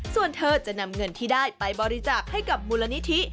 ส่วนเธอจะนำเงินที่ได้ไปบริจาคให้กับมูลนิธิ